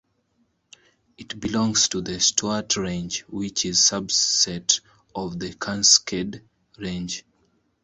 It belongs to the Stuart Range which is subset of the Cascade Range.